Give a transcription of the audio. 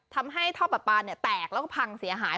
ทำให้ท่อปลาปลาแตกแล้วก็พังเสียหาย